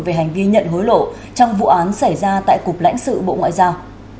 về hành vi nhận hối lộ trong vụ án xảy ra tại cục lãnh sự bộ ngoại giao